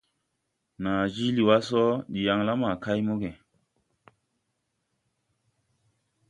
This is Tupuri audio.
Naa jiili wá sɔ ndi yaŋ la ma kay mo.